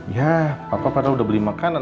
ya papa pada udah beli makanan